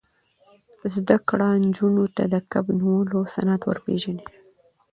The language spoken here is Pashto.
زده کړه نجونو ته د کب نیولو صنعت ور پېژني.